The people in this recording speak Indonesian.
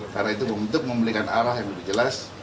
karena itu untuk memberikan arah yang lebih jelas